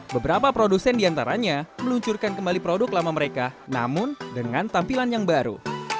beberapa produsen diantaranya meluncurkan kembali produk lama mereka namun dengan tampilan yang baru